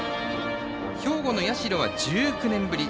兵庫の社は１９年ぶり。